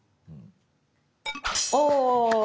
お。